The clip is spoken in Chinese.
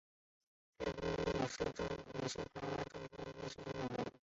蔡衍明也是台湾中天电视的拥有人。